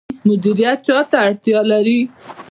مدیریت چا ته اړتیا لري؟